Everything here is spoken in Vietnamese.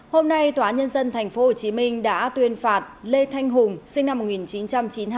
hôm nay tòa nhân dân tp hcm đã tuyên phạt lê thanh hùng sinh năm hai nghìn một mươi chín